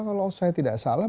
kalau saya tidak salah